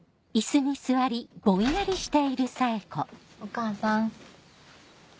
お母さん。